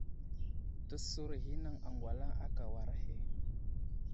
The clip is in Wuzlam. Təsər ghinaŋ aŋgwalaŋ aka war ahe.